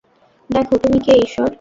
দেখো, তুমি কে, ঈশ্বর?